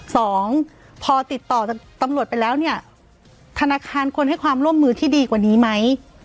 สองพอติดต่อตำรวจไปแล้วเนี่ยธนาคารควรให้ความร่วมมือที่ดีกว่านี้ไหม